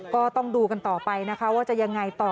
ก็ต้องดูกันต่อไปนะคะว่าจะยังไงต่อ